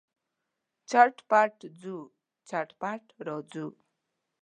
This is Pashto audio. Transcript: چټ پټ ځو، چټ پټ راځو.